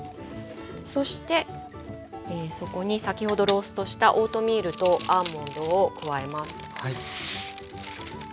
そしてそこに先ほどローストしたオートミールとアーモンドを加えます。